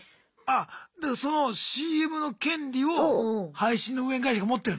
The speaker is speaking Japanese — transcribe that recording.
あっだからそのＣＭの権利を配信の運営会社が持ってるんだ。